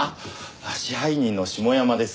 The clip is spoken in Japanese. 支配人の下山です。